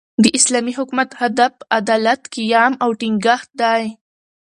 د اسلامي حکومت، هدف عدالت، قیام او ټینګښت دئ.